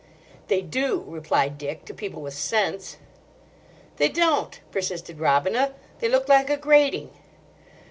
"They do," replied Dick, "to people with sense." "They don't," persisted Robina, "they look like a grating."